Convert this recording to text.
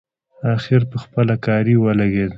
اخر پخپله کاري ولګېد.